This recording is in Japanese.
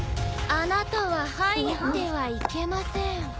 あなたは入ってはいけません。